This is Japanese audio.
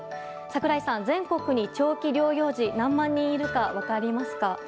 櫻井さん、全国に長期療養児が何万人いるか分かりますか？